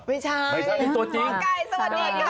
ไม่ใช่หมอไก่สวัสดีค่ะ